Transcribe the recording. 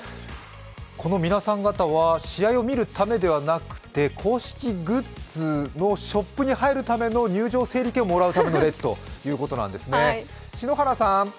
この皆さん方は試合を見るためではなくて、公式グッズのショップに入るための入場整理券をもらうための列ということなんですね。